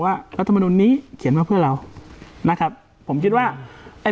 รัฐมนุนนี้เขียนมาเพื่อเรานะครับผมคิดว่าไอ้